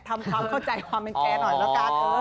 ทำความเข้าใจความเป็นแกหน่อยแล้วกัน